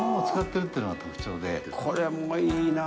これもいいなぁ。